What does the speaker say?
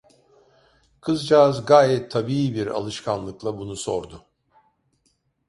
Kızcağız gayet tabii bir alışkanlıkla bunu sordu!